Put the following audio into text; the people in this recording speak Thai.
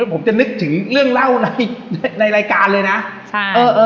ผมจะนึกถึงเรื่องเล่าในรายการเลยนะ